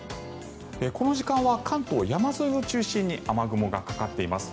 この時間は関東山沿いを中心に雨雲がかかっています。